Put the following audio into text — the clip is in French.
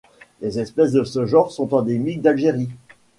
Les espèces de ce genre sont endémiques d'Algérie.